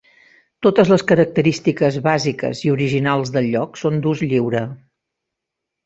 Totes les característiques bàsiques i originals del lloc són d'ús lliure.